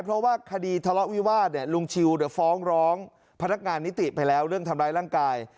เพราะว่าคดีทะเลาะวิวาสเนี่ยลุงชิวฟ้องร้องพนักงานนิติไปแล้วเรื่องทำร้ายร่างกาย